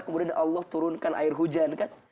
kemudian allah turunkan air hujan kan